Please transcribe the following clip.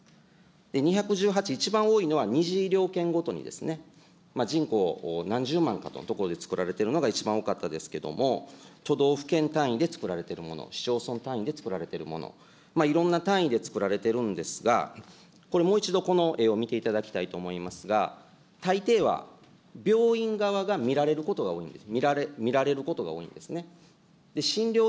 ２１８、一番多いのはにじいりょうけんごとに人口何十万かの所でつくられているのが、一番多かったですけども、都道府県単位でつくられているもの、市町村単位で作られているもの、いろんな単位で作られているんですが、これ、もう一度この絵を見ていただきたいと思いますが、たいていは病院側が見られることが多いんです。